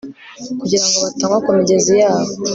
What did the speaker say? kugira ngo batanywa ku migezi yabo